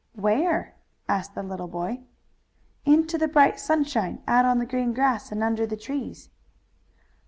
"Where?" asked the little boy. "Into the bright sunshine, out on the green grass and under the trees."